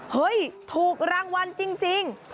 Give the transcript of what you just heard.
เฮ้ยถูกรางวัลจริง